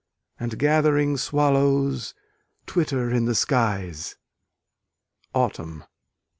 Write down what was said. And gathering swallows twitter in the skies. _Autumn.